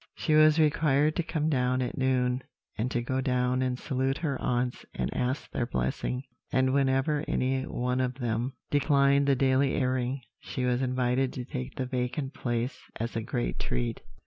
"She was required to come down at noon, and to go down and salute her aunts and ask their blessing; and whenever any one of them declined the daily airing, she was invited to take the vacant place as a great treat.